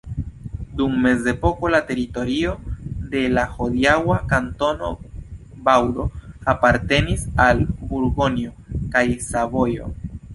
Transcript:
Dum mezepoko la teritorio de la hodiaŭa Kantono Vaŭdo apartenis al Burgonjo kaj Savojo.